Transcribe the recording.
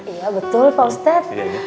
iya betul pak ustadz